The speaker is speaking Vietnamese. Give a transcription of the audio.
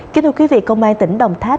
kính thưa quý vị công an tỉnh đồng tháp